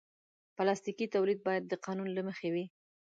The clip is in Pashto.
پلاستيکي تولید باید د قانون له مخې وي.